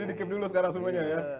ini dikip dulu sekarang semuanya ya